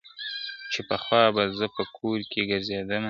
چي پخوا به زه په کور کي ګرځېدمه ,